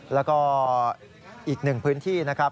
แล้วก็อีกหนึ่งพื้นที่นะครับ